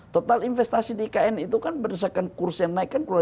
total investasi di ikn itu kan berdasarkan kurs yang naik kan